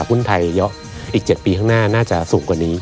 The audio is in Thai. หุ้นไทยเยอะอีก๗ปีข้างหน้าน่าจะสูงกว่านี้